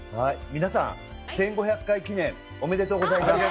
皆さん、１５００回記念、おめでとうございます。